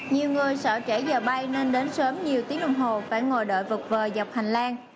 nhiều người sợ trẻ giờ bay nên đến sớm nhiều tiếng đồng hồ phải ngồi đợi vực vờ dọc hành lang